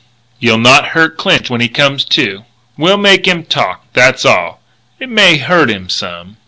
"You'll not hurt Clinch when he comes to?" "We'll make him talk, that's all. It may hurt him some."